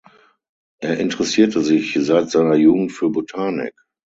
Er interessierte sich seit seiner Jugend für Botanik.